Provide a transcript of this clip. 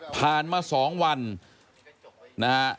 ผ่านมา๒วันนะฮะ